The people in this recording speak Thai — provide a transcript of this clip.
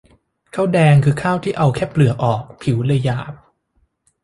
ข้าวแดง คือข้าวที่เอาแค่เปลือกออก ผิวเลยหยาบ